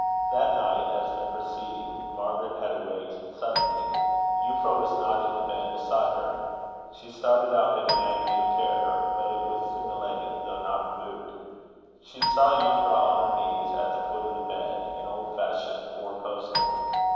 That night, as the preceding, Margaret had awaked suddenly. Euphra was not in the bed beside her. She started up in an agony of terror; but it was soon allayed, though not removed. She saw Euphra on her knees at the foot of the bed, an old fashioned four post one.